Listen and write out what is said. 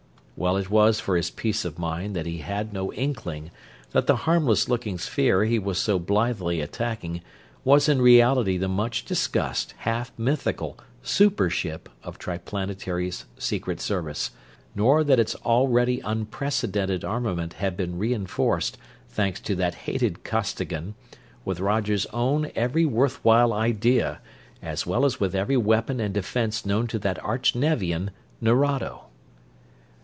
Well it was for his peace of mind that he had no inkling that the harmless looking sphere he was so blithely attacking was in reality the much discussed, half mythical "super ship" of Triplanetary's Secret Service; nor that its already unprecedented armament had been re enforced, thanks to that hated Costigan, with Roger's own every worth while idea, as well as with every weapon and defense known to that arch Nevian, Nerado!